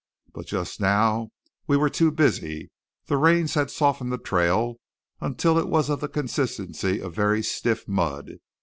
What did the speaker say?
But just now we were too busy. The rains had softened the trail, until it was of the consistency of very stiff mud.